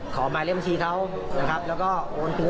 ก็ถือเราได้เงินที่